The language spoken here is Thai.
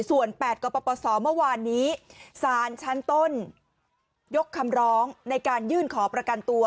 ส่วน๘กปศเมื่อวานนี้สารชั้นต้นยกคำร้องในการยื่นขอประกันตัว